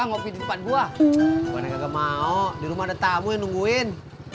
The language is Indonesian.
ngopi depan gua gak mau di rumah ada tamu yang nungguin